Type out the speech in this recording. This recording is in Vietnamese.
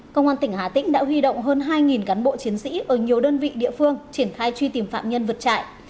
công an tỉnh hà tĩnh đã huy động hơn hai cán bộ chiến sĩ ở nhiều đơn vị địa phương triển khai truy tìm phạm nhân vượt trại